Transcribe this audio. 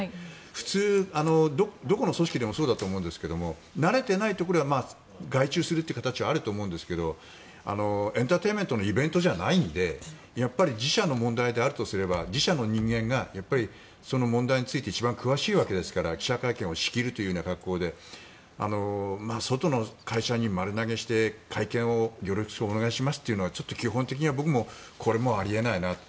普通、どこの組織でもそうだと思うんですが慣れていないところは外注するという形はあると思うんですがエンターテインメントのイベントじゃないので自社の問題であるとすれば自社の人間がその問題について一番詳しいわけですから記者会見を仕切るというような格好で外の会社に丸投げして会見をよろしくお願いしますというのはちょっと基本的にはこれもあり得ないなって。